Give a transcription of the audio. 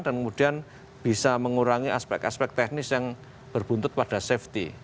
dan kemudian bisa mengurangi aspek aspek teknis yang berbuntut pada safety